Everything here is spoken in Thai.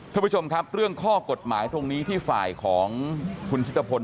ท่านผู้ชมครับเรื่องข้อกฎหมายตรงนี้ที่ฝ่ายของคุณชิตภพล